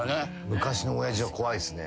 昔の親父は怖いっすね。